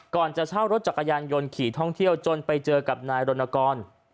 จะเช่ารถจักรยานยนต์ขี่ท่องเที่ยวจนไปเจอกับนายรณกร